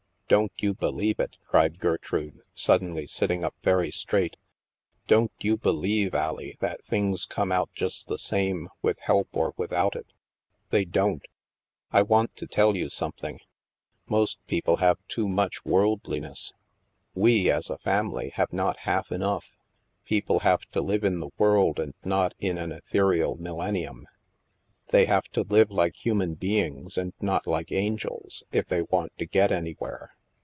*' Don't you believe it," cried Gertrude, suddenly sitting up very straight. " Don't you believe, Allie, that things come out just the same, with help or without it. They don't. I want to tell you some thing. Most people have too much worldiness. STILL WATERS 91 We, as a family, have not half enough. People have to live in the world and not in an ethereal millen nium. They have to live like human beings, and not like angels, if they want to get anywhere.